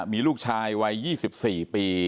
มีลูกชายวัย๒๔ปี